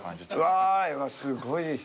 うわーすごい。